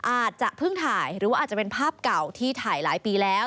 อาจจะเพิ่งถ่ายหรือว่าอาจจะเป็นภาพเก่าที่ถ่ายหลายปีแล้ว